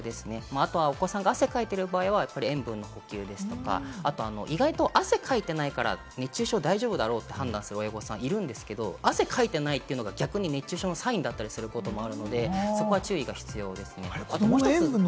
あとはお子さんが汗をかいてる場合は塩分補給ですとか、意外と汗をかいてないから熱中症大丈夫だろうって判断される親御さんいらっしゃるんですけれども、汗をかいていないのは、逆に熱中症のサインだったりするので、そこは注意が必要です。